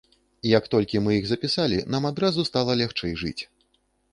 Як толькі мы іх запісалі, нам адразу стала лягчэй жыць.